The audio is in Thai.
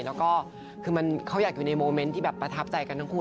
แล้วก็คือเขาอยากอยู่ในโมเมนต์ที่แบบประทับใจกันทั้งคู่